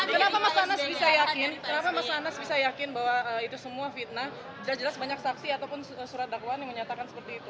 jelas jelas banyak saksi ataupun surat dakwaan yang menyatakan seperti itu